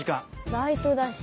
バイトだし。